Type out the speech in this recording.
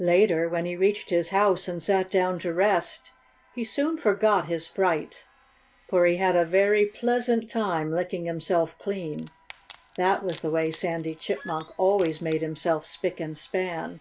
Later, when he reached his house and sat down to rest, he soon forgot his fright. For he had a very pleasant time licking himself clean. That was the way Sandy Chipmunk always made himself spick and span.